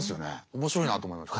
面白いなと思いました。